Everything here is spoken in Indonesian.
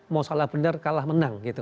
mau salah benar kalah menang gitu